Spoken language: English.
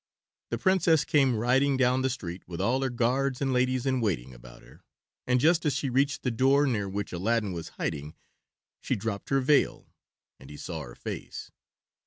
The Princess came riding down the street with all her guards and ladies in waiting about her, and just as she reached the door near which Aladdin was hiding she dropped her veil, and he saw her face.